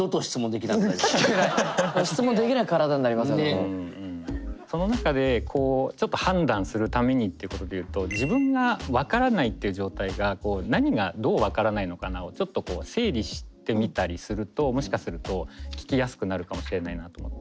もうその中でちょっと判断するためにっていうことで言うと自分が分からないっていう状態が何がどう分からないのかなをちょっと整理してみたりするともしかすると聞きやすくなるかもしれないなと思って。